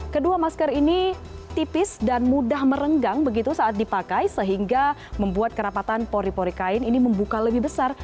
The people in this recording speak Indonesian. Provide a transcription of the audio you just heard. kedua masker ini tipis dan mudah merenggang begitu saat dipakai sehingga membuat kerapatan pori pori kain ini membuka lebih besar